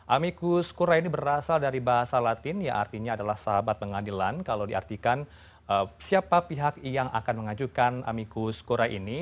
amikus kura ini berasal dari bahasa latin yang artinya adalah sahabat pengadilan kalau diartikan siapa pihak yang akan mengajukan amikus kura ini